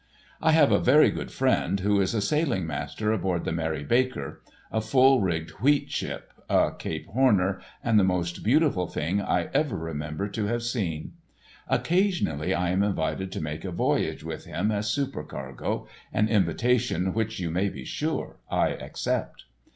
I have a very good friend who is a sailing master aboard the "Mary Baker," a full rigged wheat ship, a Cape Horner, and the most beautiful thing I ever remember to have seen. Occasionally I am invited to make a voyage with him as supercargo, an invitation which you may be sure I accept.